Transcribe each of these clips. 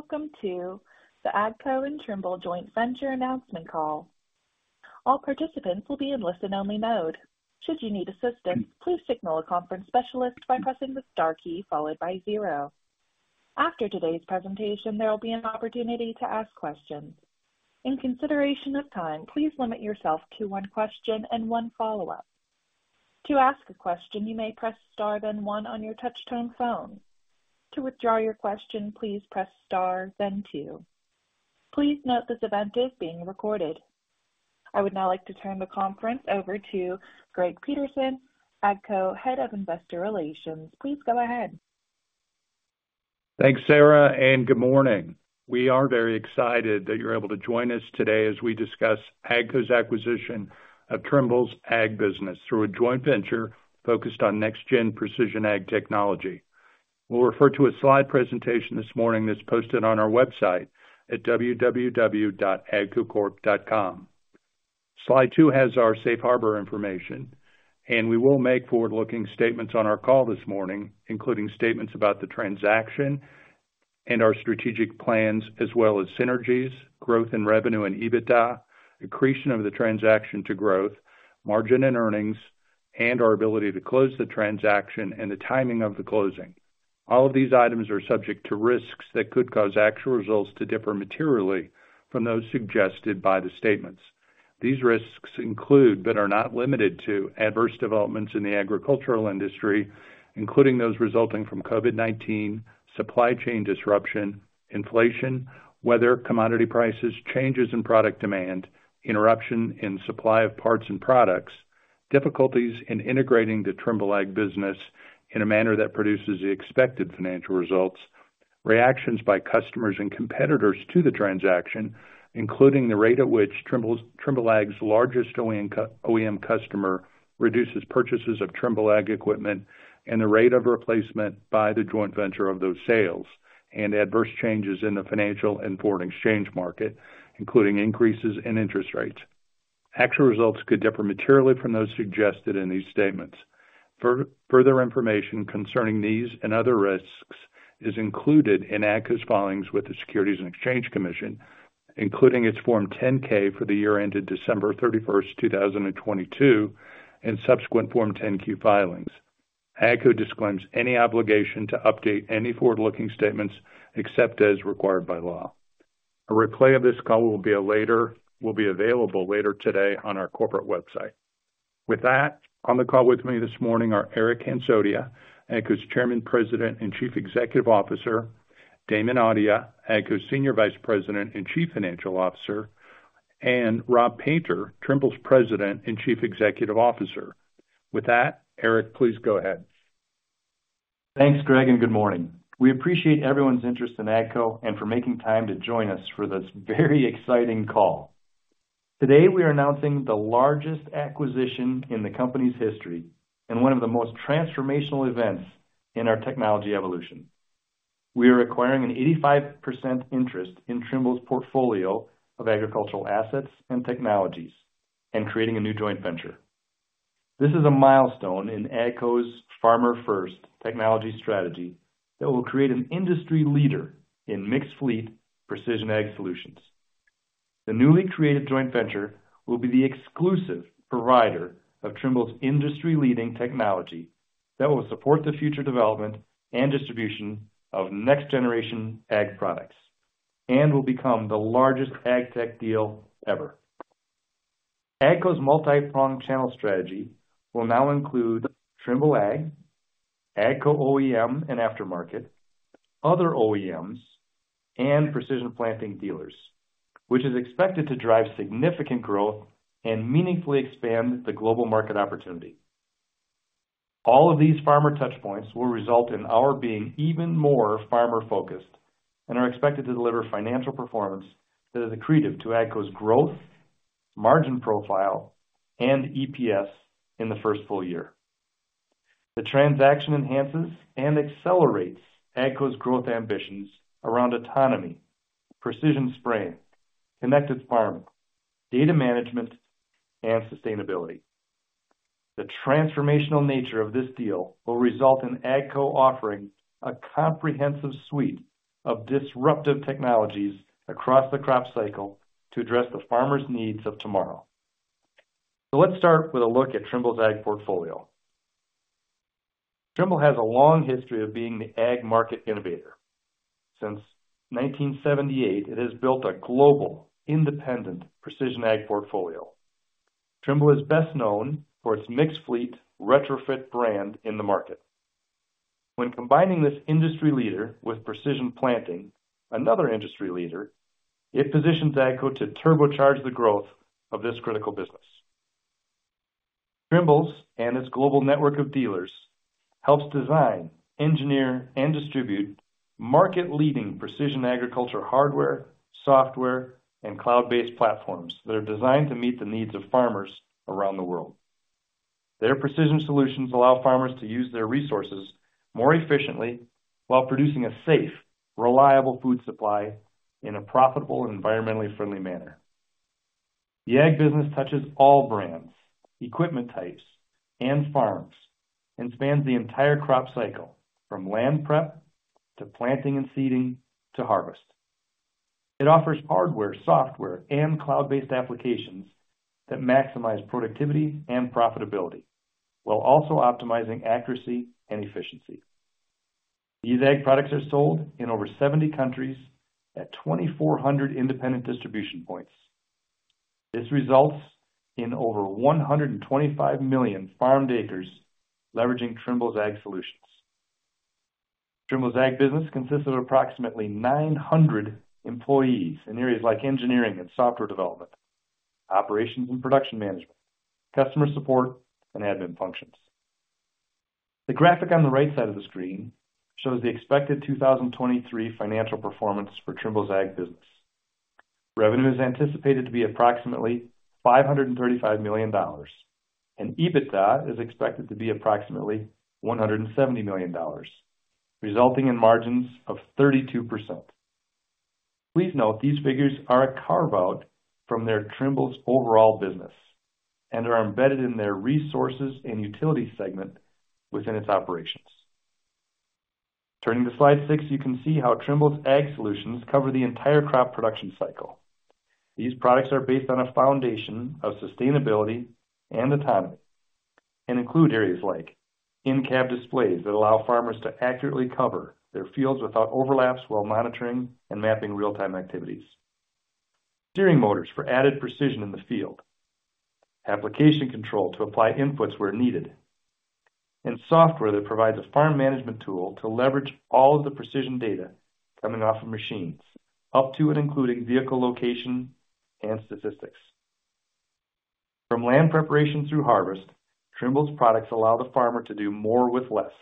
Hey, and welcome to the AGCO and Trimble Joint Venture Announcement Call. All participants will be in listen-only mode. Should you need assistance, please signal a conference specialist by pressing the star key followed by zero. After today's presentation, there will be an opportunity to ask questions. In consideration of time, please limit yourself to one question and one follow-up. To ask a question, you may press star, then one on your touchtone phone. To withdraw your question, please press star, then two. Please note this event is being recorded. I would now like to turn the conference over to Greg Peterson, AGCO Head of Investor Relations. Please go ahead. Thanks, Sarah, and good morning. We are very excited that you're able to join us today as we discuss AGCO's acquisition of Trimble's Ag business through a joint venture focused on next-gen precision Ag technology. We'll refer to a slide presentation this morning that's posted on our website at www.agcocorp.com. Slide two has our safe harbor information, and we will make forward-looking statements on our call this morning, including statements about the transaction and our strategic plans, as well as synergies, growth in revenue and EBITDA, accretion of the transaction to growth, margin and earnings, and our ability to close the transaction and the timing of the closing. All of these items are subject to risks that could cause actual results to differ materially from those suggested by the statements. These risks include, but are not limited to, adverse developments in the agricultural industry, including those resulting from COVID-19, supply chain disruption, inflation, weather, commodity prices, changes in product demand, interruption in supply of parts and products, difficulties in integrating the Trimble Ag business in a manner that produces the expected financial results, reactions by customers and competitors to the transaction, including the rate at which Trimble Ag's largest OEM customer reduces purchases of Trimble Ag equipment and the rate of replacement by the joint venture of those sales, and adverse changes in the financial and foreign exchange market, including increases in interest rates. Actual results could differ materially from those suggested in these statements. Further information concerning these and other risks is included in AGCO's filings with the Securities and Exchange Commission, including its Form 10-K for the year ended December 31, 2022, and subsequent Form 10-Q filings. AGCO disclaims any obligation to update any forward-looking statements except as required by law. A replay of this call will be available later today on our corporate website. With that, on the call with me this morning are Eric Hansotia, AGCO's Chairman, President, and Chief Executive Officer, Damon Audia, AGCO's Senior Vice President and Chief Financial Officer, and Rob Painter, Trimble's President and Chief Executive Officer. With that, Eric, please go ahead. Thanks, Greg, and good morning. We appreciate everyone's interest in AGCO and for making time to join us for this very exciting call. Today, we are announcing the largest acquisition in the company's history and one of the most transformational events in our technology evolution. We are acquiring an 85% interest in Trimble's portfolio of agricultural assets and technologies and creating a new joint venture. This is a milestone in AGCO's Farmer First technology strategy that will create an industry leader in mixed fleet precision ag solutions. The newly created joint venture will be the exclusive provider of Trimble's industry-leading technology that will support the future development and distribution of next-generation ag products and will become the largest ag tech deal ever. AGCO's multi-pronged channel strategy will now include Trimble Ag, AGCO OEM and aftermarket, other OEMs, and Precision Planting dealers, which is expected to drive significant growth and meaningfully expand the global market opportunity. All of these farmer touchpoints will result in our being even more farmer-focused and are expected to deliver financial performance that is accretive to AGCO's growth, margin profile, and EPS in the first full year. The transaction enhances and accelerates AGCO's growth ambitions around autonomy, precision spraying, connected farming, data management, and sustainability. The transformational nature of this deal will result in AGCO offering a comprehensive suite of disruptive technologies across the crop cycle to address the farmers' needs of tomorrow. So let's start with a look at Trimble's Ag portfolio. Trimble has a long history of being the ag market innovator. Since 1978, it has built a global, independent precision ag portfolio. Trimble is best known for its mixed fleet retrofit brand in the market. When combining this industry leader with Precision Planting, another industry leader, it positions AGCO to turbocharge the growth of this critical business. Trimble and its global network of dealers helps design, engineer, and distribute market-leading precision agriculture, hardware, software, and cloud-based platforms that are designed to meet the needs of farmers around the world. Their precision solutions allow farmers to use their resources more efficiently while producing a safe, reliable food supply in a profitable and environmentally friendly manner.... The ag business touches all brands, equipment types, and farms, and spans the entire crop cycle, from land prep to planting and seeding to harvest. It offers hardware, software, and cloud-based applications that maximize productivity and profitability while also optimizing accuracy and efficiency. These ag products are sold in over 70 countries at 2,400 independent distribution points. This results in over 125 million farmed acres leveraging Trimble Ag's solutions. Trimble Ag's business consists of approximately 900 employees in areas like engineering and software development, operations and production management, customer support, and admin functions. The graphic on the right side of the screen shows the expected 2023 financial performance for Trimble Ag's business. Revenue is anticipated to be approximately $535 million, and EBITDA is expected to be approximately $170 million, resulting in margins of 32%. Please note, these figures are a carve-out from Trimble's overall business and are embedded in their resources and utility segment within its operations. Turning to slide six, you can see how Trimble Ag's solutions cover the entire crop production cycle. These products are based on a foundation of sustainability and autonomy, and include areas like in-cab displays that allow farmers to accurately cover their fields without overlaps while monitoring and mapping real-time activities, steering motors for added precision in the field, application control to apply inputs where needed, and software that provides a farm management tool to leverage all of the precision data coming off of machines, up to and including vehicle location and statistics. From land preparation through harvest, Trimble's products allow the farmer to do more with less,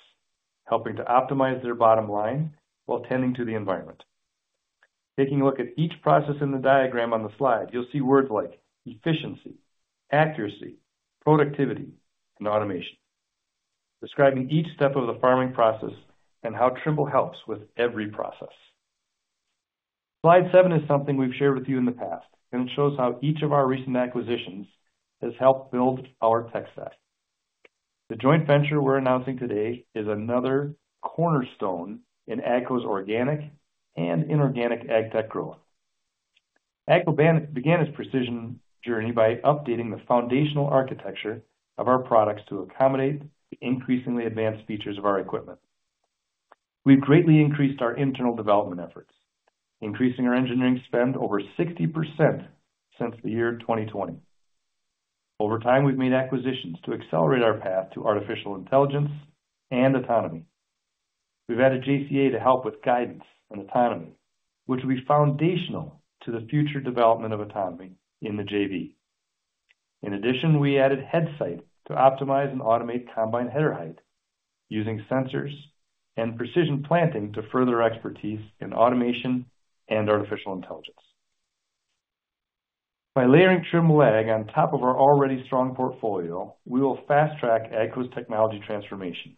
helping to optimize their bottom line while tending to the environment. Taking a look at each process in the diagram on the slide, you'll see words like efficiency, accuracy, productivity, and automation, describing each step of the farming process and how Trimble helps with every process. Slide seven is something we've shared with you in the past, and it shows how each of our recent acquisitions has helped build our tech set. The joint venture we're announcing today is another cornerstone in AGCO's organic and inorganic ag tech growth. AGCO began its precision journey by updating the foundational architecture of our products to accommodate the increasingly advanced features of our equipment. We've greatly increased our internal development efforts, increasing our engineering spend over 60% since the year 2020. Over time, we've made acquisitions to accelerate our path to artificial intelligence and autonomy. We've added JCA to help with guidance and autonomy, which will be foundational to the future development of autonomy in the JV. In addition, we added Headsight to optimize and automate combine header height using sensors and Precision Planting to further expertise in automation and artificial intelligence. By layering Trimble Ag on top of our already strong portfolio, we will fast-track AGCO's technology transformation.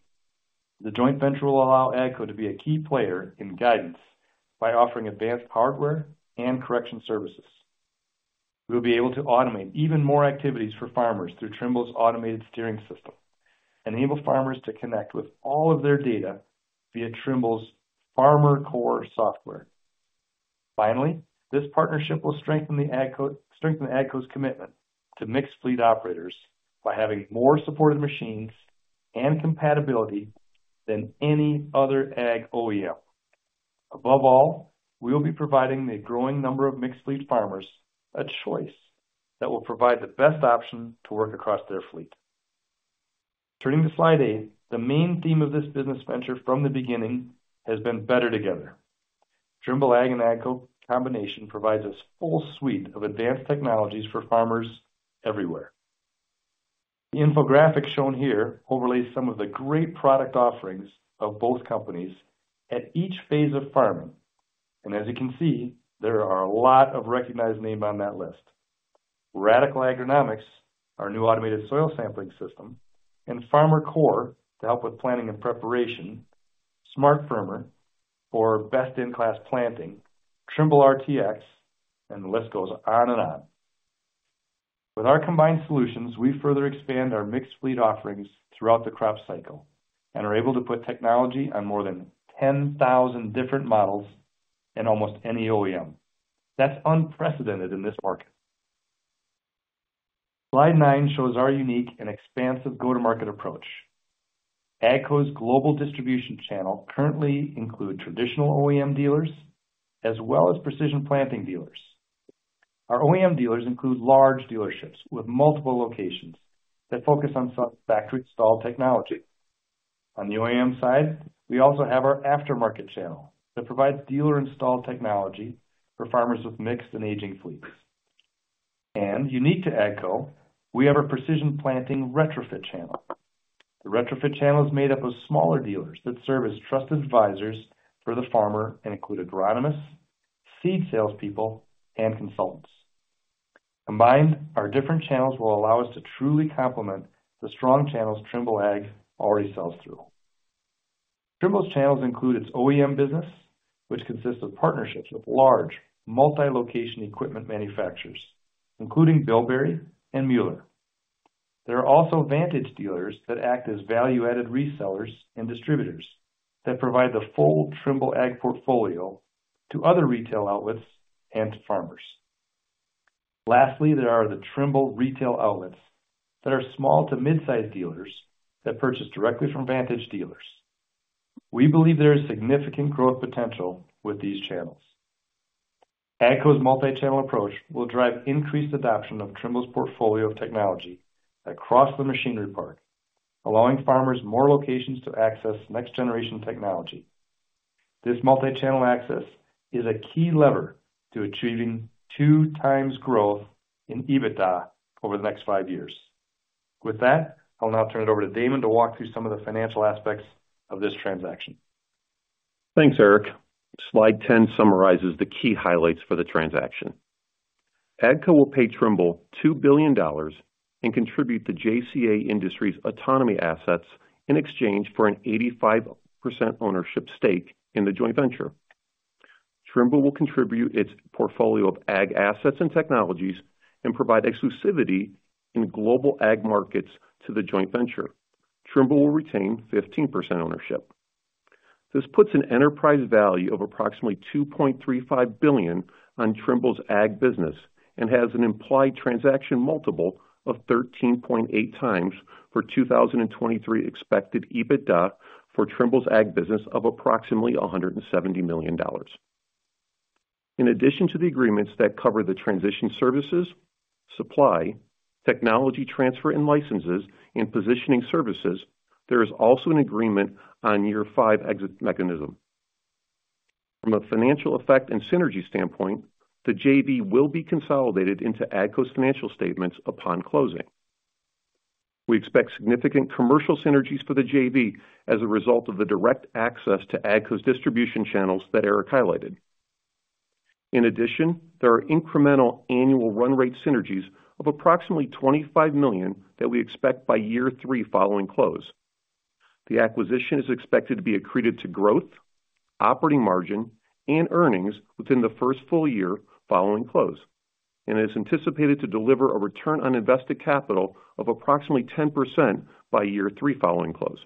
The joint venture will allow AGCO to be a key player in guidance by offering advanced hardware and correction services. We will be able to automate even more activities for farmers through Trimble's automated steering system and enable farmers to connect with all of their data via Trimble's Farmer Core software. Finally, this partnership will strengthen AGCO's commitment to mixed fleet operators by having more supportive machines and compatibility than any other ag OEM. Above all, we will be providing the growing number of mixed fleet farmers a choice that will provide the best option to work across their fleet. Turning to slide eight, the main theme of this business venture from the beginning has been better together. Trimble Ag and AGCO combination provides a full suite of advanced technologies for farmers everywhere. The infographic shown here overlays some of the great product offerings of both companies at each phase of farming, and as you can see, there are a lot of recognized names on that list. Radicle Agronomics, our new automated soil sampling system, and Farmer Core to help with planning and preparation, SmartFirmer for best-in-class planting, Trimble RTX, and the list goes on and on. With our combined solutions, we further expand our mixed fleet offerings throughout the crop cycle and are able to put technology on more than 10,000 different models in almost any OEM. That's unprecedented in this market. Slide nine shows our unique and expansive go-to-market approach. AGCO's global distribution channel currently include traditional OEM dealers as well as Precision Planting dealers. Our OEM dealers include large dealerships with multiple locations that focus on some factory-installed technology. On the OEM side, we also have our aftermarket channel that provides dealer-installed technology for farmers with mixed and aging fleets. Unique to AGCO, we have a Precision Planting retrofit channel. The retrofit channel is made up of smaller dealers that serve as trusted advisors for the farmer and include agronomists, seed salespeople, and consultants. Combined, our different channels will allow us to truly complement the strong channels Trimble Ag already sells through.... Trimble's channels include its OEM business, which consists of partnerships with large multi-location equipment manufacturers, including Bilberry and Müller. There are also Vantage dealers that act as value-added resellers and distributors that provide the full Trimble Ag portfolio to other retail outlets and to farmers. Lastly, there are the Trimble retail outlets that are small to mid-sized dealers that purchase directly from antage dealers. We believe there is significant growth potential with these channels. AGCO's multi-channel approach will drive increased adoption of Trimble's portfolio of technology across the machinery park, allowing farmers more locations to access next generation technology. This multi-channel access is a key lever to achieving two times growth in EBITDA over the next five years. With that, I'll now turn it over to Damon to walk through some of the financial aspects of this transaction. Thanks, Eric. Slide 10 summarizes the key highlights for the transaction. AGCO will pay Trimble $2 billion and contribute the JCA Industries' autonomy assets in exchange for an 85% ownership stake in the joint venture. Trimble will contribute its portfolio of Ag assets and technologies and provide exclusivity in global Ag markets to the joint venture. Trimble will retain 15% ownership. This puts an enterprise value of approximately $2.35 billion on Trimble's Ag business and has an implied transaction multiple of 13.8x for 2023 expected EBITDA for Trimble's Ag business of approximately $170 million. In addition to the agreements that cover the transition services, supply, technology transfer and licenses, and positioning services, there is also an agreement on year five exit mechanism. From a financial effect and synergy standpoint, the JV will be consolidated into AGCO's financial statements upon closing. We expect significant commercial synergies for the JV as a result of the direct access to AGCO's distribution channels that Eric highlighted. In addition, there are incremental annual run rate synergies of approximately $25 million that we expect by year three following close. The acquisition is expected to be accreted to growth, operating margin, and earnings within the first full year following close, and is anticipated to deliver a return on invested capital of approximately 10% by year three following close.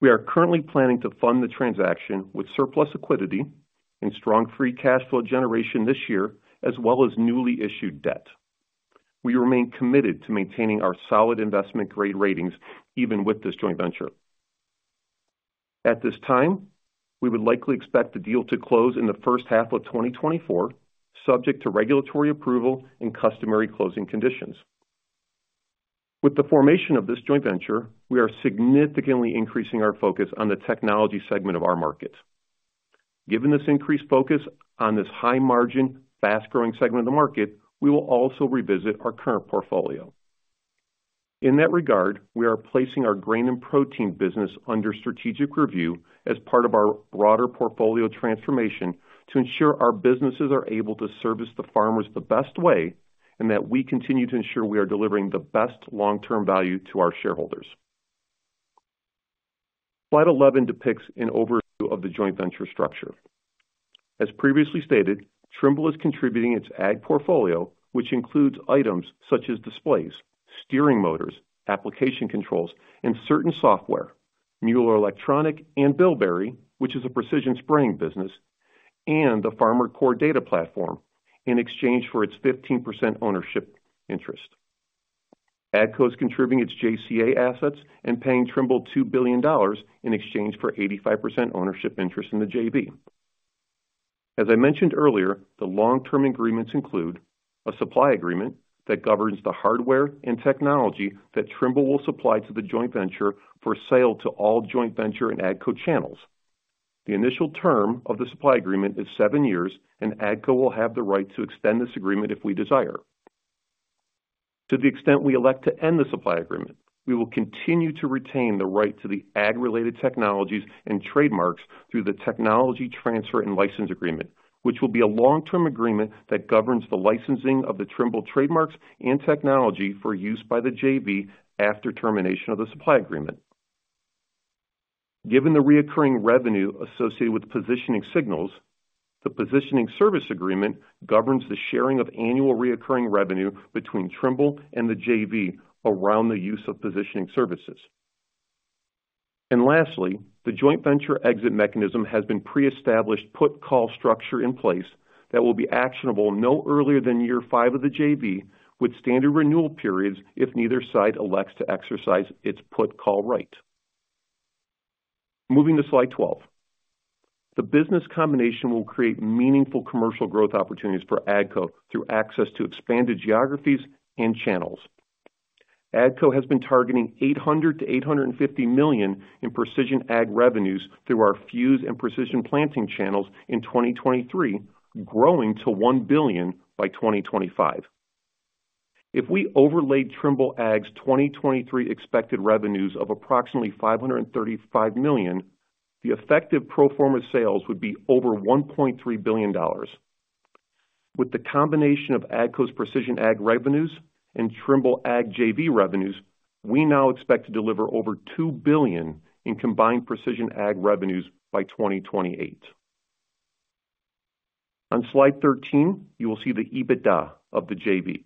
We are currently planning to fund the transaction with surplus liquidity and strong free cash flow generation this year, as well as newly issued debt. We remain committed to maintaining our solid investment grade ratings, even with this joint venture. At this time, we would likely expect the deal to close in the first half of 2024, subject to regulatory approval and customary closing conditions. With the formation of this joint venture, we are significantly increasing our focus on the technology segment of our market. Given this increased focus on this high margin, fast-growing segment of the market, we will also revisit our current portfolio. In that regard, we are placing our grain and protein business under strategic review as part of our broader portfolio transformation to ensure our businesses are able to service the farmers the best way, and that we continue to ensure we are delivering the best long-term value to our shareholders. Slide 11 depicts an overview of the joint venture structure. As previously stated, Trimble is contributing its Ag portfolio, which includes items such as displays, steering motors, application controls, and certain software, Müller Elektronik and Bilberry, which is a precision spraying business, and the Farmer Core Data platform, in exchange for its 15% ownership interest. AGCO is contributing its JCA assets and paying Trimble $2 billion in exchange for 85% ownership interest in the JV. As I mentioned earlier, the long-term agreements include a supply agreement that governs the hardware and technology that Trimble will supply to the joint venture for sale to all joint venture and AGCO channels. The initial term of the supply agreement is seven years, and AGCO will have the right to extend this agreement if we desire. To the extent we elect to end the supply agreement, we will continue to retain the right to the ag-related technologies and trademarks through the Technology Transfer and License Agreement, which will be a long-term agreement that governs the licensing of the Trimble trademarks and technology for use by the JV after termination of the supply agreement. Given the recurring revenue associated with positioning signals, the positioning service agreement governs the sharing of annual recurring revenue between Trimble and the JV around the use of positioning services. And lastly, the joint venture exit mechanism has been pre-established put call structure in place that will be actionable no earlier than year five of the JV, with standard renewal periods if neither side elects to exercise its put call right. Moving to slide 12. The business combination will create meaningful commercial growth opportunities for AGCO through access to expanded geographies and channels. AGCO has been targeting $800 million-$850 million in precision ag revenues through our Fuse and Precision Planting channels in 2023, growing to 1 billion by 2025. If we overlaid Trimble Ag's 2023 expected revenues of approximately $535 million, the effective pro forma sales would be over $1.3 billion....With the combination of AGCO's precision ag revenues and Trimble Ag JV revenues, we now expect to deliver over $2 billion in combined precision ag revenues by 2028. On slide 13, you will see the EBITDA of the JV.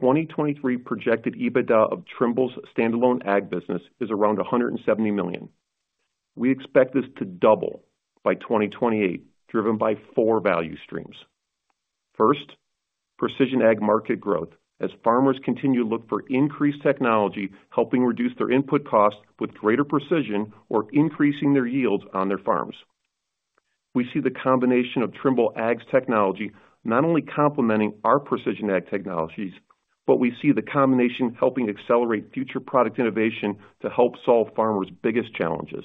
2023 projected EBITDA of Trimble's standalone ag business is around $170 million. We expect this to double by 2028, driven by four value streams. First, Precision Ag market growth, as farmers continue to look for increased technology, helping reduce their input costs with greater precision or increasing their yields on their farms. We see the combination of Trimble Ag's technology not only complementing our Precision Ag technologies, but we see the combination helping accelerate future product innovation to help solve farmers' biggest challenges.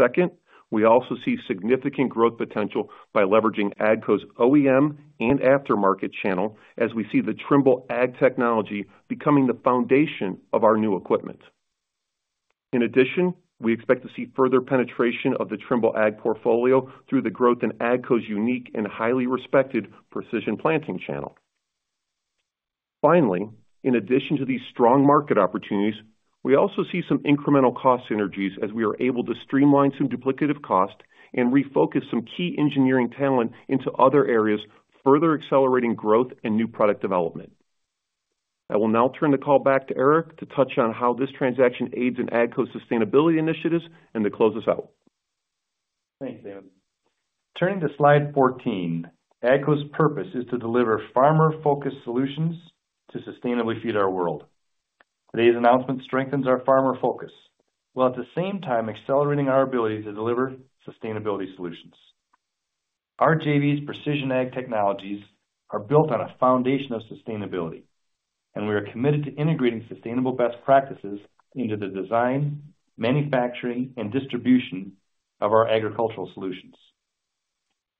Second, we also see significant growth potential by leveraging AGCO's OEM and aftermarket channel, as we see the Trimble Ag technology becoming the foundation of our new equipment. In addition, we expect to see further penetration of the Trimble Ag portfolio through the growth in AGCO's unique and highly respected Precision Planting channel. Finally, in addition to these strong market opportunities, we also see some incremental cost synergies as we are able to streamline some duplicative costs and refocus some key engineering talent into other areas, further accelerating growth and new product development. I will now turn the call back to Eric to touch on how this transaction aids in AGCO's sustainability initiatives and to close us out. Thanks, Damon. Turning to slide 14. AGCO's purpose is to deliver farmer-focused solutions to sustainably feed our world. Today's announcement strengthens our farmer focus, while at the same time accelerating our ability to deliver sustainability solutions. Our JV's precision ag technologies are built on a foundation of sustainability, and we are committed to integrating sustainable best practices into the design, manufacturing, and distribution of our agricultural solutions.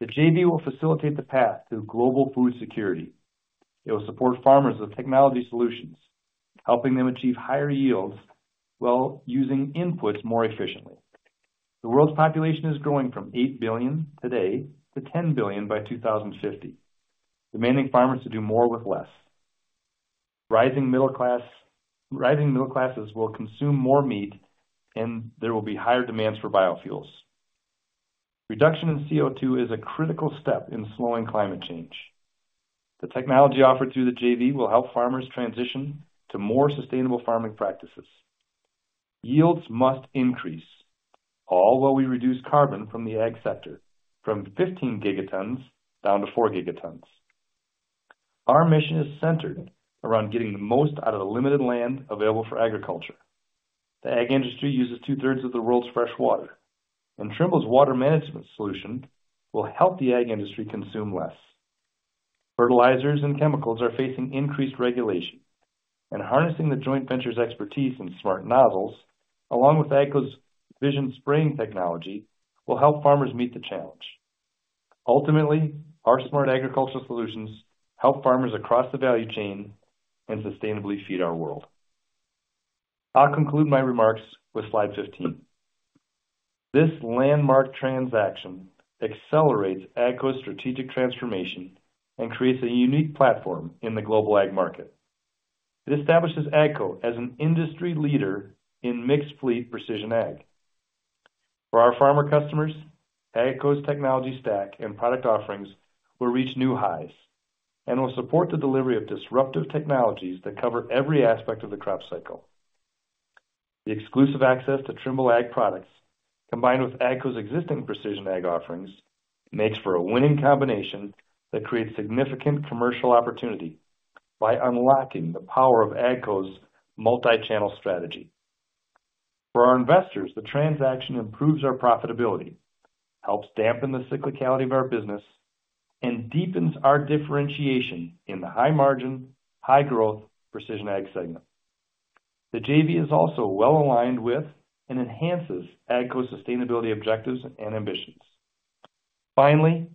The JV will facilitate the path to global food security. It will support farmers with technology solutions, helping them achieve higher yields while using inputs more efficiently. The world's population is growing from 8 billion today to 10 billion by 2050, demanding farmers to do more with less. Rising middle classes will consume more meat, and there will be higher demands for biofuels. Reduction in CO2 is a critical step in slowing climate change. The technology offered through the JV will help farmers transition to more sustainable farming practices. Yields must increase, all while we reduce carbon from the ag sector from 15 gigatons down to 4 gigatons. Our mission is centered around getting the most out of the limited land available for agriculture. The ag industry uses two-thirds of the world's fresh water, and Trimble's water management solution will help the ag industry consume less. Fertilizers and chemicals are facing increased regulation, and harnessing the joint venture's expertise in smart nozzles, along with AGCO's vision spraying technology, will help farmers meet the challenge. Ultimately, our smart agricultural solutions help farmers across the value chain and sustainably feed our world. I'll conclude my remarks with slide 15. This landmark transaction accelerates AGCO's strategic transformation and creates a unique platform in the global ag market. It establishes AGCO as an industry leader in mixed fleet precision ag. For our farmer customers, AGCO's technology stack and product offerings will reach new highs and will support the delivery of disruptive technologies that cover every aspect of the crop cycle. The exclusive access to Trimble Ag products, combined with AGCO's existing precision ag offerings, makes for a winning combination that creates significant commercial opportunity by unlocking the power of AGCO's multi-channel strategy. For our investors, the transaction improves our profitability, helps dampen the cyclicality of our business, and deepens our differentiation in the high margin, high growth precision ag segment. The JV is also well aligned with and enhances AGCO's sustainability objectives and ambitions. Finally,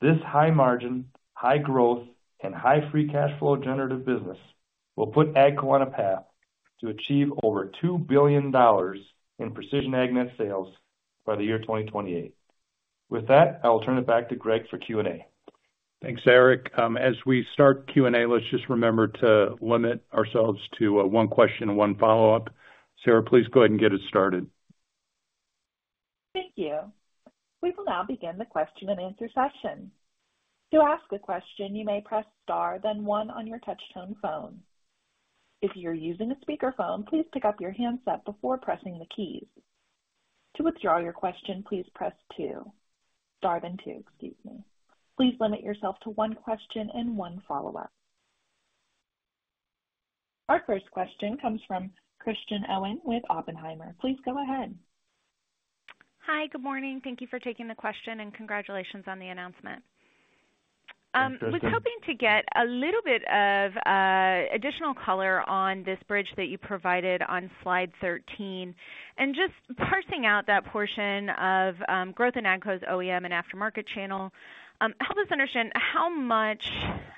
this high margin, high growth, and high free cash flow generative business will put AGCO on a path to achieve over $2 billion in Precision Ag net sales by the year 2028. With that, I will turn it back to Greg for Q&A. Thanks, Eric. As we start Q&A, let's just remember to limit ourselves to, one question and one follow-up. Sarah, please go ahead and get us started. Thank you. We will now begin the question and answer session. To ask a question, you may press star then one on your touchtone phone. If you're using a speakerphone, please pick up your handset before pressing the keys. To withdraw your question, please press two. Star then two, excuse me. Please limit yourself to one question and one follow-up. Our first question comes from Kristen Owen with Oppenheimer. Please go ahead. Hi, good morning. Thank you for taking the question, and congratulations on the announcement. Was hoping to get a little bit of additional color on this bridge that you provided on slide 13 and just parsing out that portion of growth in AGCO's OEM and aftermarket channel, help us understand how much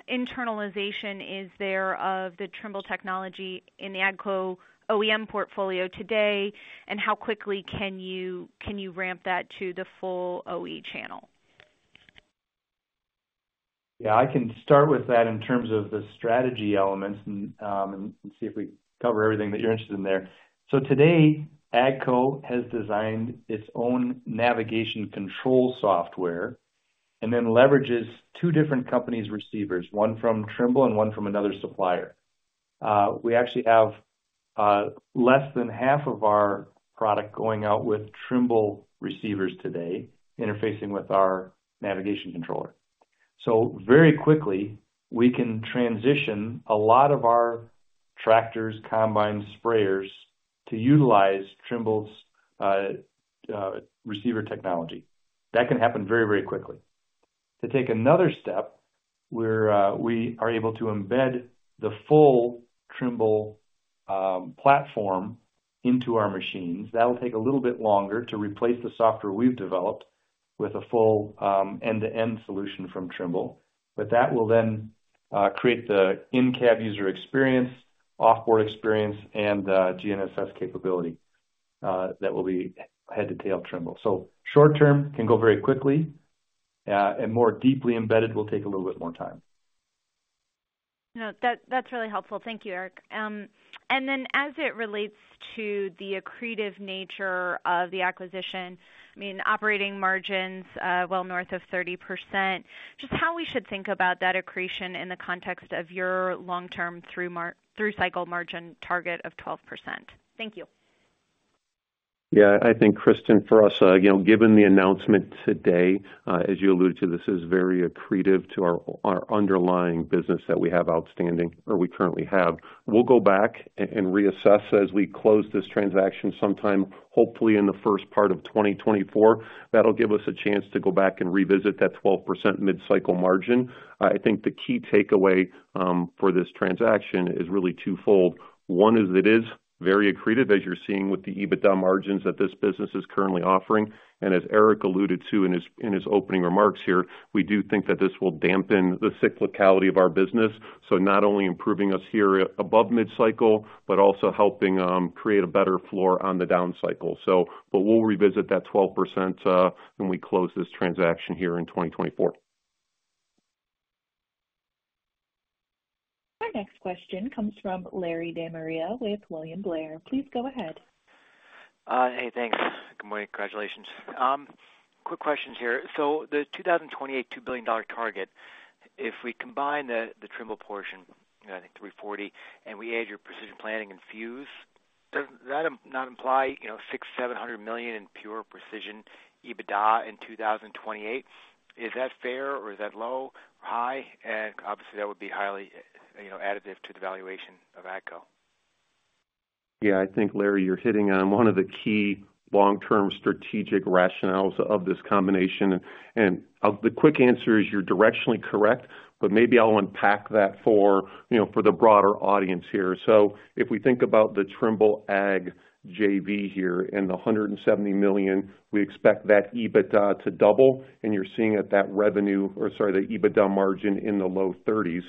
internalization is there of the Trimble technology in the AGCO OEM portfolio today, and how quickly can you ramp that to the full OE channel? Yeah, I can start with that in terms of the strategy elements and and see if we cover everything that you're interested in there. So today, AGCO has designed its own navigation control software and then leverages two different companies' receivers, one from Trimble and one from another supplier. We actually have less than half of our product going out with Trimble receivers today, interfacing with our navigation controller. So very quickly, we can transition a lot of our tractors, combined sprayers to utilize Trimble's receiver technology. That can happen very, very quickly. To take another step, where we are able to embed the full Trimble platform into our machines, that'll take a little bit longer to replace the software we've developed with a full end-to-end solution from Trimble. But that will then create the in-cab user experience, off-board experience, and GNSS capability that will be head to tail Trimble. So short term can go very quickly, and more deeply embedded will take a little bit more time. No, that's really helpful. Thank you, Eric. And then as it relates to the accretive nature of the acquisition, I mean, operating margins, well, north of 30%, just how we should think about that accretion in the context of your long-term through cycle margin target of 12%. Thank you. Yeah, I think, Kristen, for us, you know, given the announcement today, as you alluded to, this is very accretive to our underlying business that we have outstanding or we currently have. We'll go back and reassess as we close this transaction sometime, hopefully, in the first part of 2024. That'll give us a chance to go back and revisit that 12% mid-cycle margin. I think the key takeaway for this transaction is really twofold. One, it is very accretive, as you're seeing with the EBITDA margins that this business is currently offering. And as Eric alluded to in his opening remarks here, we do think that this will dampen the cyclicality of our business. So not only improving us here above mid-cycle, but also helping create a better floor on the down cycle. But we'll revisit that 12% when we close this transaction here in 2024. Our next question comes from Larry De Maria with William Blair. Please go ahead. Hey, thanks. Good morning. Congratulations. Quick questions here. So the 2028 $2 billion target, if we combine the, the Trimble portion, you know, I think $340 million, and we add your Precision Planting and Fuse, does that not imply, you know, $600 million-$700 million in pure precision EBITDA in 2028? Is that fair, or is that low, high? And obviously, that would be highly, you know, additive to the valuation of AGCO. Yeah, I think, Larry, you're hitting on one of the key long-term strategic rationales of this combination. And the quick answer is you're directionally correct, but maybe I'll unpack that for, you know, for the broader audience here. So if we think about the Trimble Ag JV here and the $170 million, we expect that EBITDA to double, and you're seeing at that revenue, or sorry, the EBITDA margin in the low 30s%.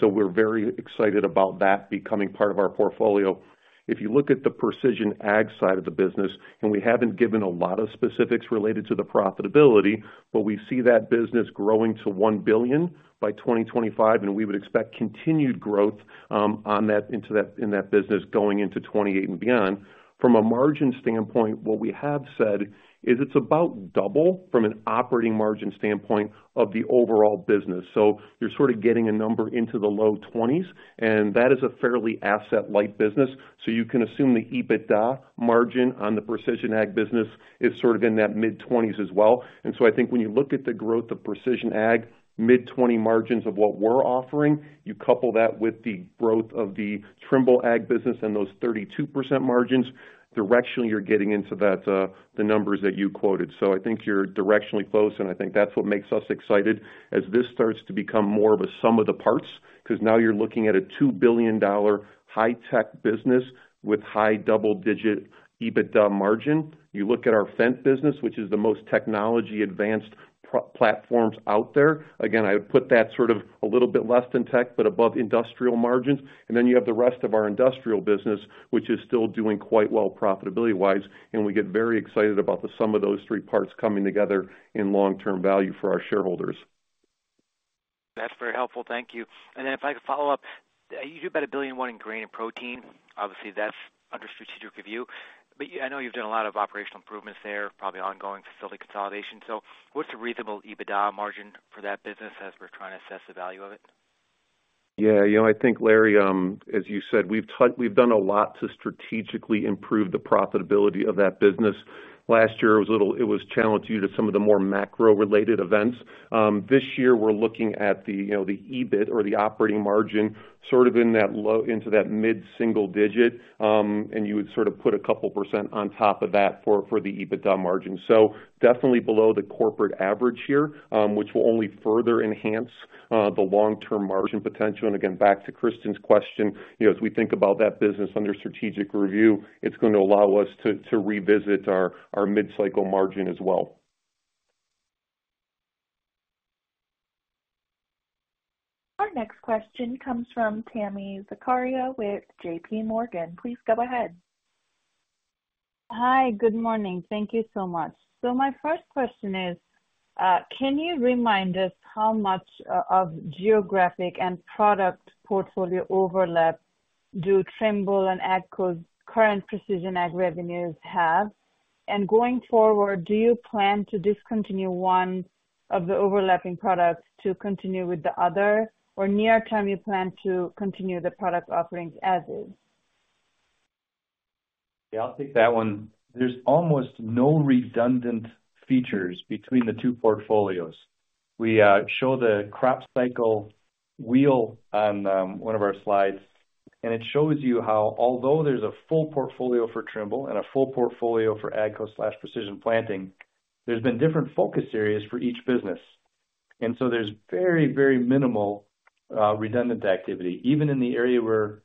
So we're very excited about that becoming part of our portfolio. If you look at the precision ag side of the business, and we haven't given a lot of specifics related to the profitability, but we see that business growing to $1 billion by 2025, and we would expect continued growth in that business going into 2028 and beyond. From a margin standpoint, what we have said is it's about double from an operating margin standpoint of the overall business. So you're sort of getting a number into the low 20s, and that is a fairly asset light business. So you can assume the EBITDA margin on the precision ag business is sort of in that mid-20s as well. And so I think when you look at the growth of precision ag, mid-20s margins of what we're offering, you couple that with the growth of the Trimble Ag business and those 32% margins, directionally, you're getting into that, the numbers that you quoted. So I think you're directionally close, and I think that's what makes us excited as this starts to become more of a sum of the parts. Because now you're looking at a $2 billion high tech business with high double-digit EBITDA margin. You look at our Fendt business, which is the most technology advanced platforms out there. Again, I would put that sort of a little bit less than tech, but above industrial margins. And then you have the rest of our industrial business, which is still doing quite well, profitability-wise, and we get very excited about the sum of those three parts coming together in long-term value for our shareholders. That's very helpful. Thank you. If I could follow up, you do about $1.01 billion in grain and protein. Obviously, that's under strategic review, but I know you've done a lot of operational improvements there, probably ongoing facility consolidation. What's the reasonable EBITDA margin for that business as we're trying to assess the value of it? Yeah, you know, I think, Larry, as you said, we've done a lot to strategically improve the profitability of that business. Last year, it was a little challenging due to some of the more macro-related events. This year, we're looking at the, you know, the EBIT or the operating margin, sort of in that low to mid-single digit, and you would sort of put a couple percent on top of that for the EBITDA margin. So definitely below the corporate average here, which will only further enhance the long-term margin potential. And again, back to Kristen's question, you know, as we think about that business under strategic review, it's gonna allow us to revisit our mid-cycle margin as well. Our next question comes from Tami Zakaria with JPMorgan. Please go ahead. Hi, good morning. Thank you so much. So my first question is, can you remind us how much of geographic and product portfolio overlap do Trimble and AGCO's current precision ag revenues have? And going forward, do you plan to discontinue one of the overlapping products to continue with the other, or near term, you plan to continue the product offerings as is? Yeah, I'll take that one. There's almost no redundant features between the two portfolios. We show the crop cycle wheel on one of our slides, and it shows you how, although there's a full portfolio for Trimble and a full portfolio for AGCO/Precision Planting, there's been different focus areas for each business. And so there's very, very minimal redundant activity. Even in the area where,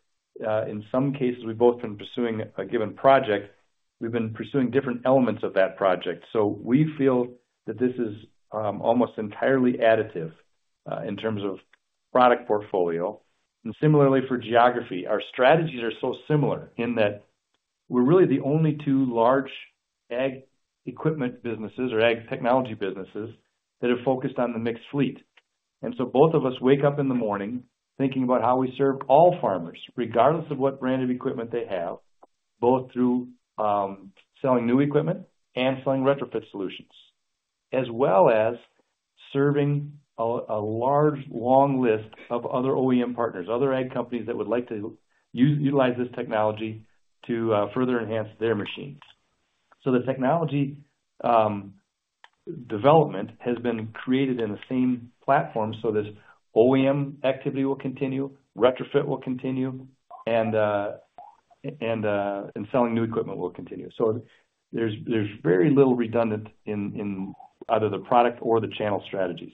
in some cases, we've both been pursuing a given project, we've been pursuing different elements of that project. So we feel that this is almost entirely additive in terms of product portfolio. And similarly for geography, our strategies are so similar in that we're really the only two large ag equipment businesses or ag technology businesses that are focused on the mixed fleet. And so both of us wake up in the morning thinking about how we serve all farmers, regardless of what brand of equipment they have, both through selling new equipment and selling retrofit solutions, as well as serving a large, long list of other OEM partners, other ag companies that would like to use utilize this technology to further enhance their machines. So the technology development has been created in the same platform. So this OEM activity will continue, retrofit will continue, and selling new equipment will continue. So there's very little redundant in either the product or the channel strategies.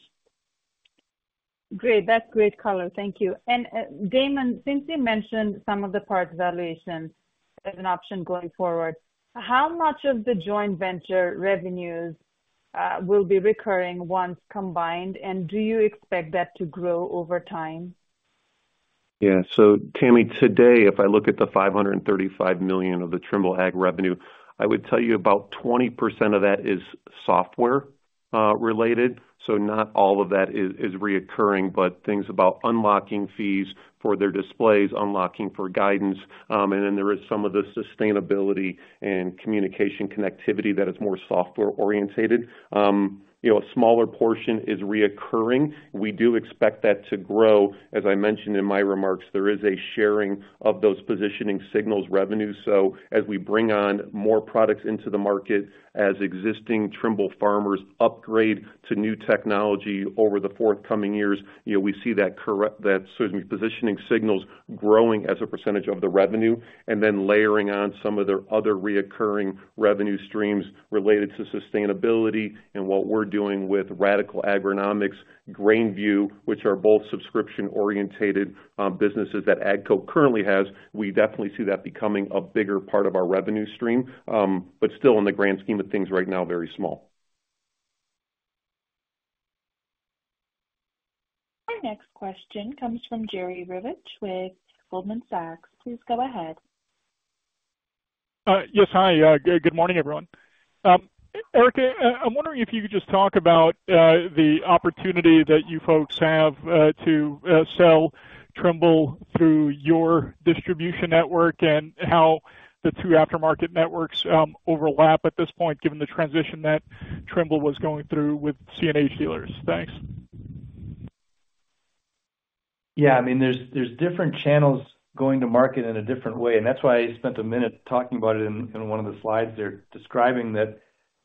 Great. That's great color. Thank you. And, Damon, since you mentioned some of the parts valuations as an option going forward, how much of the joint venture revenues will be recurring once combined, and do you expect that to grow over time? Yeah. So Tammy, today, if I look at the $535 million of the Trimble Ag revenue, I would tell you about 20% of that is software related. So not all of that is recurring, but things about unlocking fees for their displays, unlocking for guidance, and then there is some of the sustainability and communication connectivity that is more software-oriented. You know, a smaller portion is recurring. We do expect that to grow. As I mentioned in my remarks, there is a sharing of those positioning signals revenue. So as we bring on more products into the market, as existing Trimble farmers upgrade to new technology over the forthcoming years, you know, we see that correct... that, excuse me, positioning signals growing as a percentage of the revenue, and then layering on some of their other recurring revenue streams related to sustainability and what we're doing with Radicle Agronomics, GrainVue, which are both subscription-oriented, businesses that AGCO currently has. We definitely see that becoming a bigger part of our revenue stream, but still in the grand scheme of things, right now, very small. Our next question comes from Jerry Revich with Goldman Sachs. Please go ahead. Yes, hi. Good morning, everyone. Eric, I'm wondering if you could just talk about the opportunity that you folks have to sell Trimble through your distribution network and how the two aftermarket networks overlap at this point, given the transition that Trimble was going through with CNH dealers. Thanks. Yeah, I mean, there's different channels going to market in a different way, and that's why I spent a minute talking about it in one of the slides there, describing that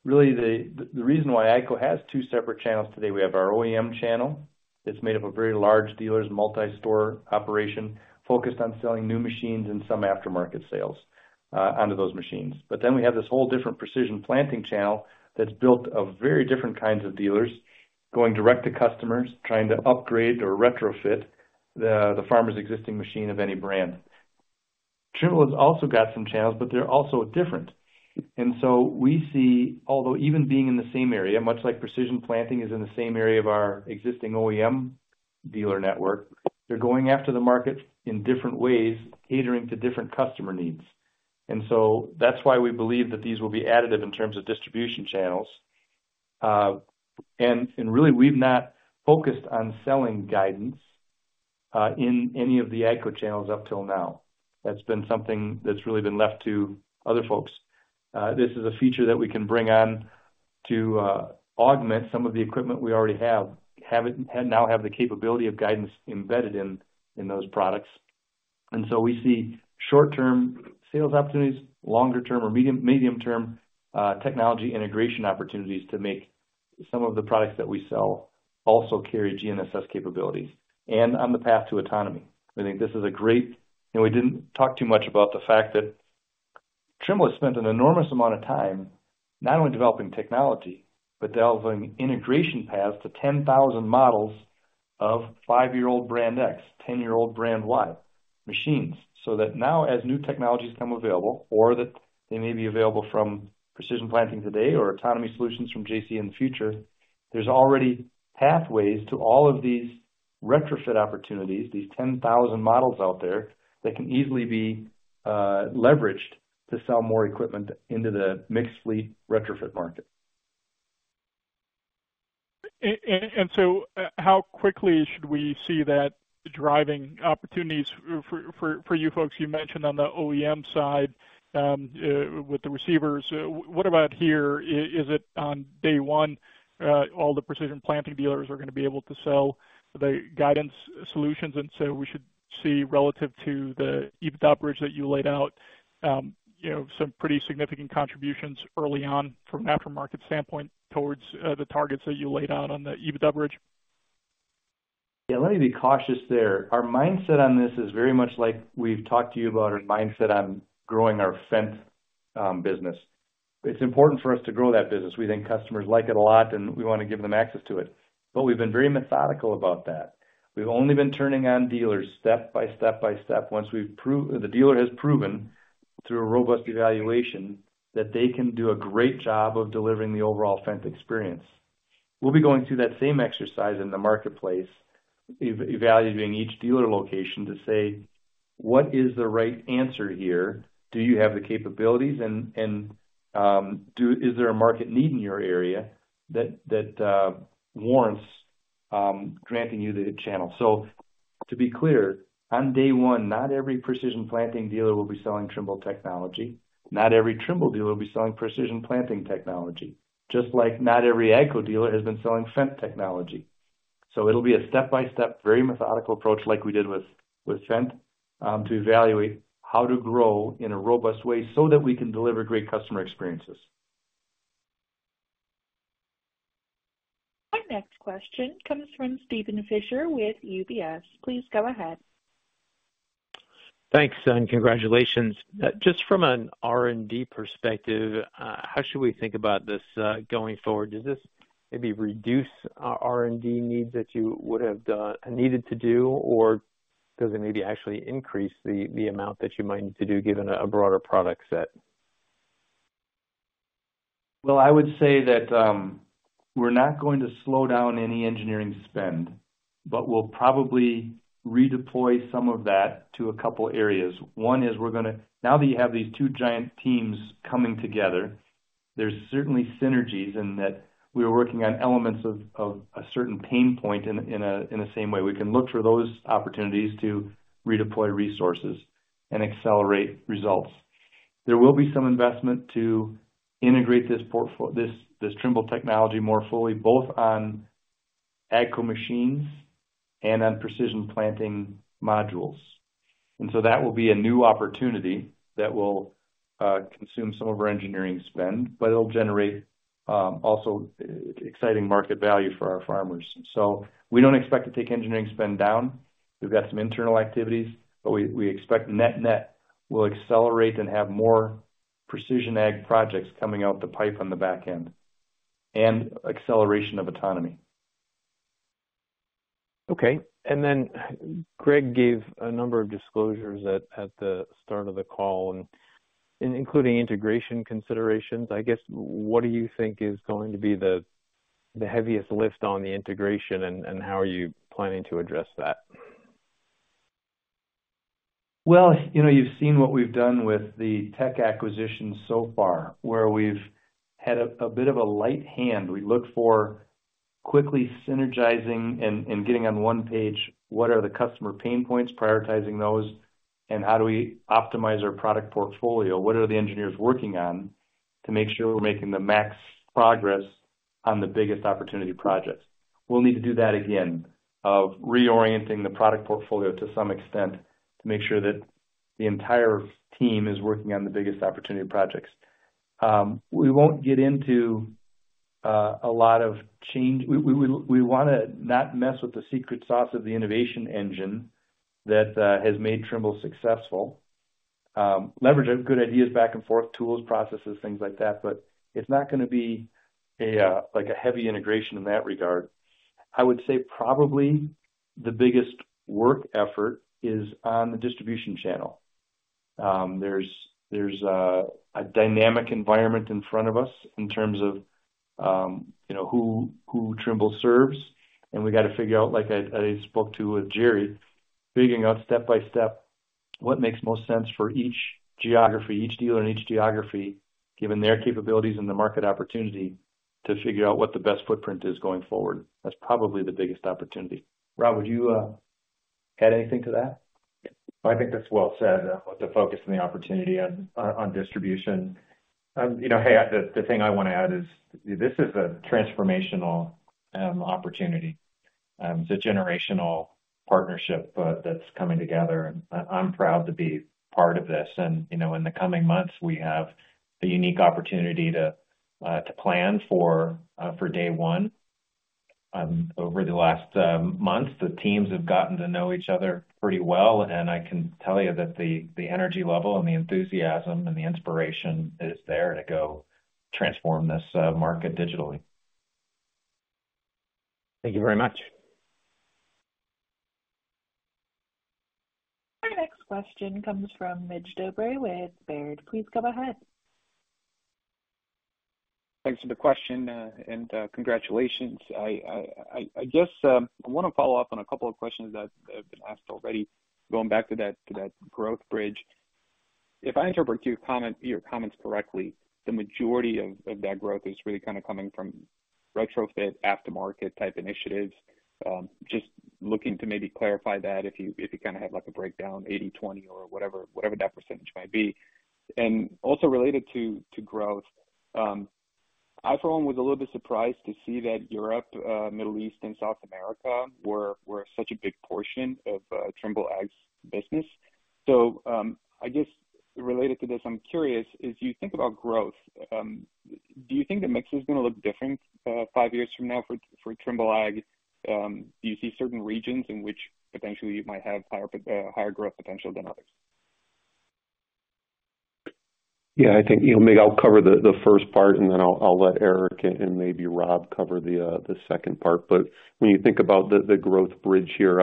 really the reason why AGCO has two separate channels today. We have our OEM channel. It's made up of very large dealers, multi-store operation, focused on selling new machines and some aftermarket sales onto those machines. But then we have this whole different Precision Planting channel that's built of very different kinds of dealers, going direct to customers, trying to upgrade or retrofit the farmer's existing machine of any brand. Trimble has also got some channels, but they're also different. We see, although even being in the same area, much like Precision Planting is in the same area of our existing OEM dealer network, they're going after the market in different ways, catering to different customer needs. And so that's why we believe that these will be additive in terms of distribution channels. And really, we've not focused on selling guidance in any of the AGCO channels up till now. That's been something that's really been left to other folks. This is a feature that we can bring on to augment some of the equipment we already have. And now have the capability of guidance embedded in those products. We see short-term sales opportunities, longer-term or medium-term technology integration opportunities to make some of the products that we sell also carry GNSS capabilities and on the path to autonomy. I think this is a great... You know, we didn't talk too much about the fact that Trimble has spent an enormous amount of time not only developing technology, but delving integration paths to 10,000 models of five-year-old brand X, ten-year-old brand Y... machines. So that now as new technologies become available, or that they may be available from Precision Planting today or autonomy solutions from JCA in the future, there's already pathways to all of these retrofit opportunities, these 10,000 models out there, that can easily be leveraged to sell more equipment into the mixed fleet retrofit market. So, how quickly should we see that driving opportunities for you folks? You mentioned on the OEM side with the receivers. What about here? Is it on day one, all the Precision Planting dealers are going to be able to sell the guidance solutions, and so we should see relative to the EBITDA bridge that you laid out, you know, some pretty significant contributions early on from an aftermarket standpoint towards the targets that you laid out on the EBITDA bridge? Yeah, let me be cautious there. Our mindset on this is very much like we've talked to you about our mindset on growing our Fendt business. It's important for us to grow that business. We think customers like it a lot, and we want to give them access to it, but we've been very methodical about that. We've only been turning on dealers step by step by step, once the dealer has proven through a robust evaluation that they can do a great job of delivering the overall Fendt experience. We'll be going through that same exercise in the marketplace, evaluating each dealer location to say, what is the right answer here? Do you have the capabilities, and is there a market need in your area that warrants granting you the channel? So to be clear, on day one, not every Precision Planting dealer will be selling Trimble technology. Not every Trimble dealer will be selling Precision Planting technology, just like not every AGCO dealer has been selling Fendt technology. So it'll be a step-by-step, very methodical approach, like we did with Fendt, to evaluate how to grow in a robust way so that we can deliver great customer experiences. Our next question comes from Steven Fisher with UBS. Please go ahead. Thanks, and congratulations. Just from an R&D perspective, how should we think about this, going forward? Does this maybe reduce our R&D needs that you would have done, needed to do, or does it maybe actually increase the amount that you might need to do, given a broader product set? Well, I would say that, we're not going to slow down any engineering spend, but we'll probably redeploy some of that to a couple areas. One is we're gonna. Now that you have these two giant teams coming together, there's certainly synergies in that we are working on elements of a certain pain point in a same way. We can look for those opportunities to redeploy resources and accelerate results. There will be some investment to integrate this this Trimble technology more fully, both on AGCO machines and on Precision Planting modules. And so that will be a new opportunity that will consume some of our engineering spend, but it'll generate also exciting market value for our farmers. So we don't expect to take engineering spend down. We've got some internal activities, but we expect net-net will accelerate and have more precision ag projects coming out the pipe on the back end, and acceleration of autonomy. Okay. And then Greg gave a number of disclosures at the start of the call, and including integration considerations. I guess, what do you think is going to be the heaviest lift on the integration, and how are you planning to address that? Well, you know, you've seen what we've done with the tech acquisitions so far, where we've had a bit of a light hand. We look for quickly synergizing and getting on one page, what are the customer pain points, prioritizing those, and how do we optimize our product portfolio? What are the engineers working on to make sure we're making the max progress on the biggest opportunity projects? We'll need to do that again, of reorienting the product portfolio to some extent, to make sure that the entire team is working on the biggest opportunity projects. We won't get into a lot of change. We wanna not mess with the secret sauce of the innovation engine that has made Trimble successful. Leverage of good ideas back and forth, tools, processes, things like that, but it's not gonna be a, like a heavy integration in that regard. I would say probably the biggest work effort is on the distribution channel. There's a dynamic environment in front of us in terms of, you know, who Trimble serves, and we got to figure out, like I spoke to with Jerry, figuring out step by step what makes most sense for each geography, each dealer in each geography, given their capabilities and the market opportunity, to figure out what the best footprint is going forward. That's probably the biggest opportunity. Rob, would you add anything to that? I think that's well said, the focus and the opportunity on, on, on distribution. You know, hey, the, the thing I want to add is, this is a transformational, opportunity. It's a generational partnership, that's coming together, and I, I'm proud to be part of this. And, you know, in the coming months, we have the unique opportunity to, to plan for, for day one. Over the last, months, the teams have gotten to know each other pretty well, and I can tell you that the, the energy level and the enthusiasm and the inspiration is there to go transform this, market digitally. Thank you very much. Our next question comes from Mig Dobre with Baird. Please go ahead. Thanks for the question, and congratulations. I just wanna follow up on a couple of questions that have been asked already. Going back to that growth bridge. If I interpret your comment, your comments correctly, the majority of that growth is really kind of coming from retrofit, aftermarket type initiatives. Just looking to maybe clarify that if you kinda have, like, a breakdown, 80/20 or whatever that percentage might be. And also related to growth, I, for one, was a little bit surprised to see that Europe, Middle East and South America were such a big portion of Trimble Ag's business. I guess related to this, I'm curious, as you think about growth, do you think the mix is gonna look different five years from now for Trimble Ag? Do you see certain regions in which potentially you might have higher growth potential than others? Yeah, I think, you know, maybe I'll cover the first part, and then I'll let Eric and maybe Rob cover the second part. But when you think about the growth bridge here,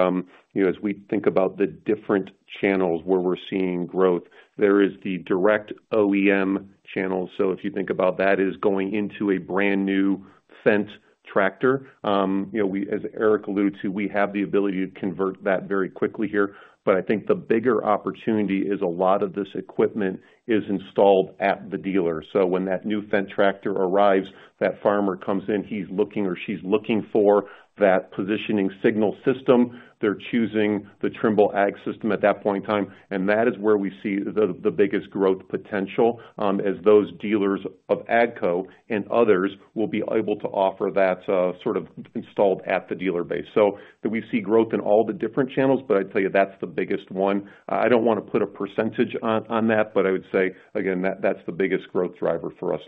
you know, as we think about the different channels where we're seeing growth, there is the direct OEM channel. So if you think about that, is going into a brand-new Fendt tractor, you know, we, as Eric alludes to, we have the ability to convert that very quickly here. But I think the bigger opportunity is a lot of this equipment is installed at the dealer. So when that new Fendt tractor arrives, that farmer comes in, he's looking, or she's looking for that positioning signal system. They're choosing the Trimble Ag system at that point in time, and that is where we see the biggest growth potential as those dealers of AGCO and others will be able to offer that sort of installed at the dealer base. So do we see growth in all the different channels? But I'd tell you, that's the biggest one. I don't wanna put a percentage on that, but I would say, again, that's the biggest growth driver for us.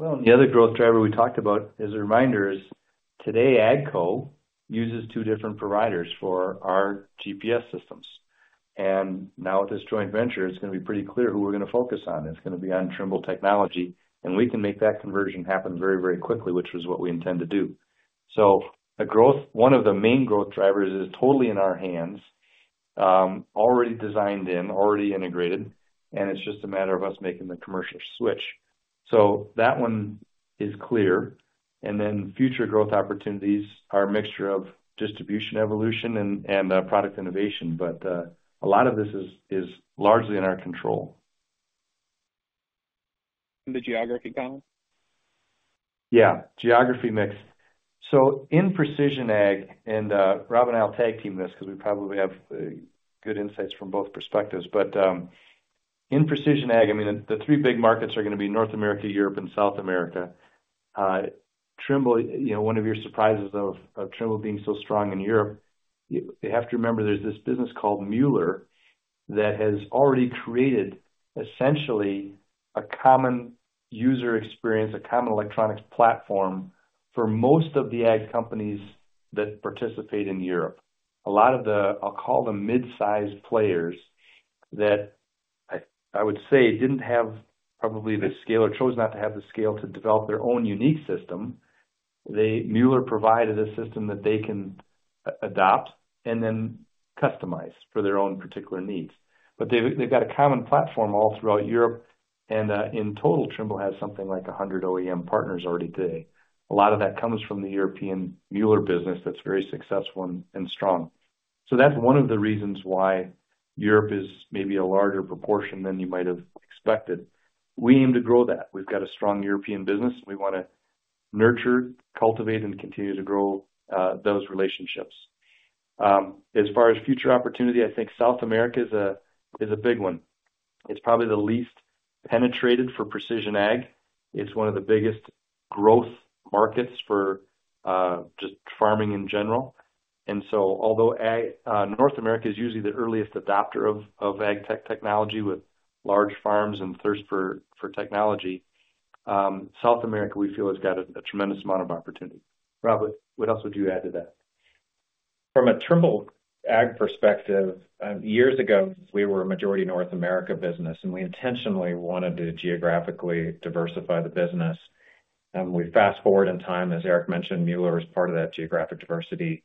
Well, the other growth driver we talked about, as a reminder, is today, AGCO uses two different providers for our GPS systems, and now with this joint venture, it's gonna be pretty clear who we're gonna focus on. It's gonna be on Trimble technology, and we can make that conversion happen very, very quickly, which is what we intend to do. So the growth... One of the main growth drivers is totally in our hands, already designed in, already integrated, and it's just a matter of us making the commercial switch. So that one is clear, and then future growth opportunities are a mixture of distribution, evolution, and product innovation. But a lot of this is largely in our control. The geography mix? Yeah, geography mix. So in precision ag, and Rob and I'll tag-team this because we probably have good insights from both perspectives. But in precision ag, I mean, the three big markets are gonna be North America, Europe, and South America. Trimble, you know, one of your surprises of Trimble being so strong in Europe, you have to remember, there's this business called Müller that has already created essentially a common user experience, a common electronics platform for most of the ag companies that participate in Europe. A lot of the, I'll call them mid-sized players, that I would say didn't have probably the scale or chose not to have the scale to develop their own unique system. They Müller provided a system that they can adopt and then customize for their own particular needs. But they've got a common platform all throughout Europe, and in total, Trimble has something like 100 OEM partners already today. A lot of that comes from the European Müller business that's very successful and strong. So that's one of the reasons why Europe is maybe a larger proportion than you might have expected. We aim to grow that. We've got a strong European business. We wanna nurture, cultivate, and continue to grow those relationships. As far as future opportunity, I think South America is a big one. It's probably the least penetrated for precision ag. It's one of the biggest growth markets for just farming in general. And so although North America is usually the earliest adopter of ag tech technology, with large farms and thirst for technology, South America, we feel, has got a tremendous amount of opportunity. Rob, what else would you add to that? From a Trimble Ag perspective, years ago, we were a majority North America business, and we intentionally wanted to geographically diversify the business. We fast-forward in time, as Eric mentioned, Müller is part of that geographic diversity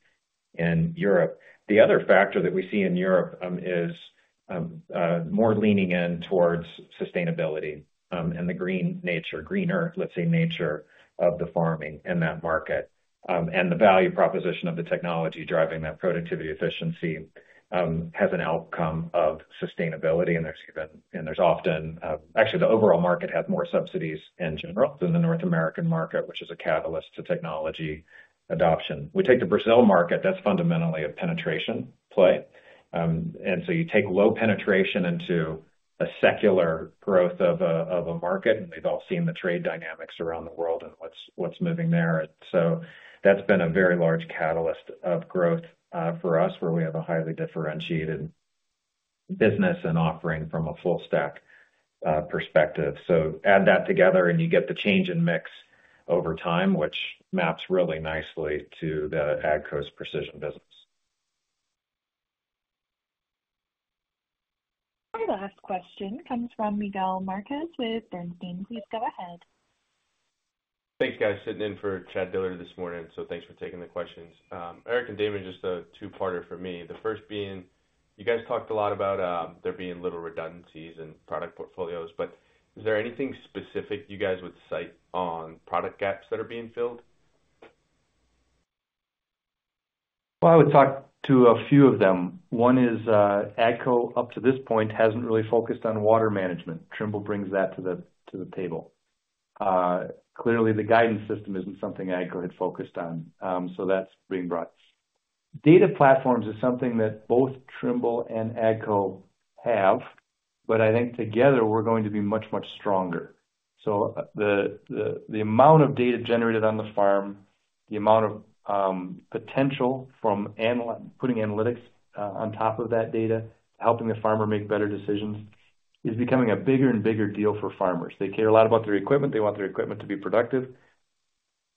in Europe. The other factor that we see in Europe, is, more leaning in towards sustainability, and the green nature, greener, let's say, nature of the farming in that market. And the value proposition of the technology driving that productivity efficiency, has an outcome of sustainability. And there's been, and there's often... Actually, the overall market has more subsidies in general than the North American market, which is a catalyst to technology adoption. We take the Brazil market, that's fundamentally a penetration play. And so you take low penetration into a secular growth of a market, and we've all seen the trade dynamics around the world and what's moving there. So that's been a very large catalyst of growth for us, where we have a highly differentiated business and offering from a full stack perspective. So add that together, and you get the change in mix over time, which maps really nicely to the AGCO's precision business. ...Last question comes from Miguel Marquez with Bernstein. Please go ahead. Thanks, guys. Sitting in for Chad Dillard this morning, so thanks for taking the questions. Eric and Damon, just a two-parter for me. The first being, you guys talked a lot about there being little redundancies in product portfolios, but is there anything specific you guys would cite on product gaps that are being filled? Well, I would talk to a few of them. One is AGCO. Up to this point, AGCO hasn't really focused on water management. Trimble brings that to the table. Clearly, the guidance system isn't something AGCO had focused on, so that's being brought. Data platforms is something that both Trimble and AGCO have, but I think together, we're going to be much, much stronger. So the amount of data generated on the farm, the amount of potential from putting analytics on top of that data, helping the farmer make better decisions, is becoming a bigger and bigger deal for farmers. They care a lot about their equipment. They want their equipment to be productive.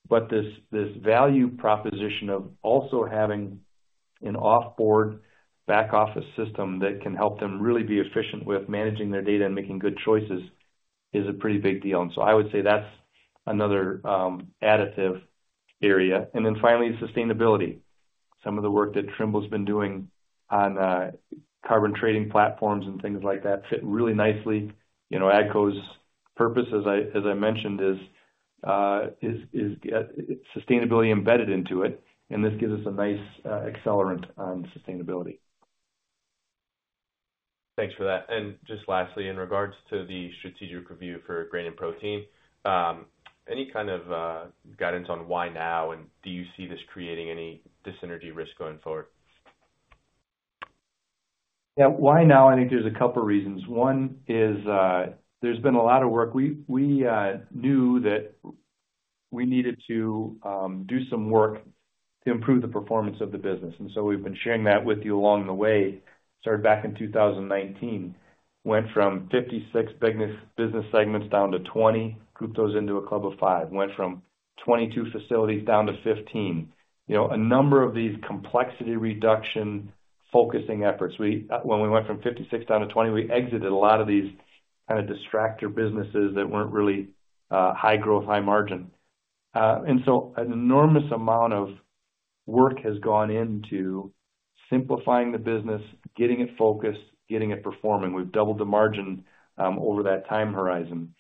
But this value proposition of also having an off-board back office system that can help them really be efficient with managing their data and making good choices is a pretty big deal. And so I would say that's another additive area. And then finally, sustainability. Some of the work that Trimble's been doing on carbon trading platforms and things like that fit really nicely. You know, AGCO's purpose, as I mentioned, is sustainability embedded into it, and this gives us a nice accelerant on sustainability. Thanks for that. And just lastly, in regards to the strategic review for grain and protein, any kind of guidance on why now, and do you see this creating any dis-synergy risk going forward? Yeah. Why now? I think there's a couple reasons. One is, there's been a lot of work. We knew that we needed to do some work to improve the performance of the business, and so we've been sharing that with you along the way. Started back in 2019, went from 56 business segments down to 20, grouped those into a club of five. Went from 22 facilities down to 15. You know, a number of these complexity reduction-focusing efforts. When we went from 56 down to 20, we exited a lot of these kinda distractor businesses that weren't really high growth, high margin. And so an enormous amount of work has gone into simplifying the business, getting it focused, getting it performing. We've doubled the margin over that time horizon.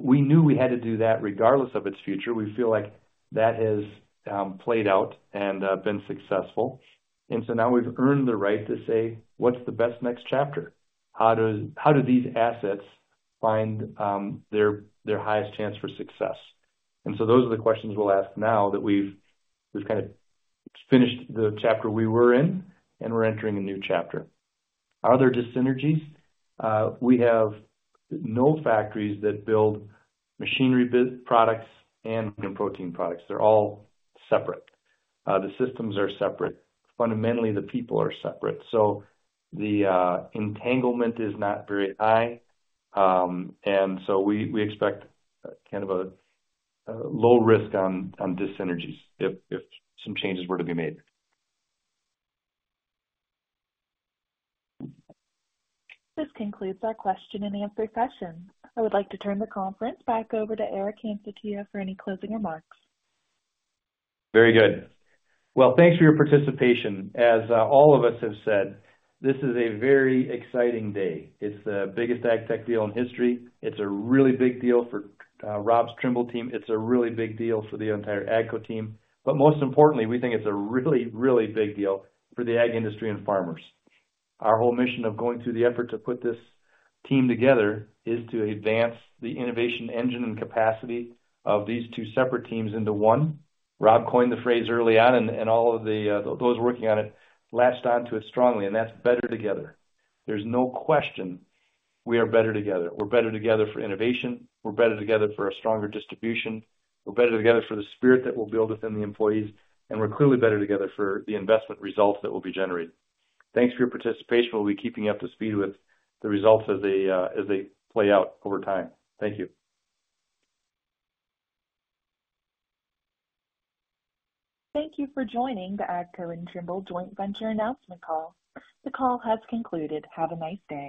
We knew we had to do that regardless of its future. We feel like that has played out and been successful. So now we've earned the right to say, "What's the best next chapter? How do these assets find their highest chance for success?" So those are the questions we'll ask now that we've finished the chapter we were in, and we're entering a new chapter. Are there dis-synergies? We have no factories that build machinery products and protein products. They're all separate. The systems are separate. Fundamentally, the people are separate. So the entanglement is not very high, and so we expect kind of a low risk on dis-synergies if some changes were to be made. This concludes our question and answer session. I would like to turn the conference back over to Eric Hansotia for any closing remarks. Very good. Well, thanks for your participation. As all of us have said, this is a very exciting day. It's the biggest ag tech deal in history. It's a really big deal for Rob's Trimble team. It's a really big deal for the entire AGCO team. But most importantly, we think it's a really, really big deal for the ag industry and farmers. Our whole mission of going through the effort to put this team together is to advance the innovation engine and capacity of these two separate teams into one. Rob coined the phrase early on, and all of those working on it latched on to it strongly, and that's better together. There's no question we are better together. We're better together for innovation. We're better together for a stronger distribution. We're better together for the spirit that we'll build within the employees, and we're clearly better together for the investment results that will be generated. Thanks for your participation. We'll be keeping you up to speed with the results as they, as they play out over time. Thank you. Thank you for joining the AGCO and Trimble joint venture announcement call. The call has concluded. Have a nice day.